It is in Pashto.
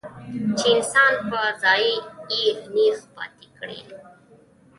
چې انسان پۀ ځائے اېغ نېغ پاتې کړي